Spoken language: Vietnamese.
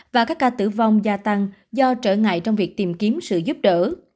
và các ca tử vong gia tăng do trở ngại trong việc tìm kiếm sự giúp đỡ